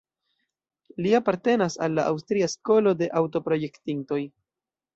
Li apartenas al la Aŭstria skolo de aŭto-projektintoj.